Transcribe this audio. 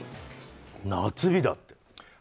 夏日だって。